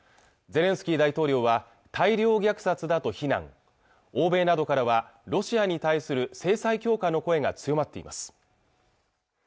ゼレンスキー大統領は大量虐殺だと非難欧米などからはロシアに対する制裁強化の声が強まっています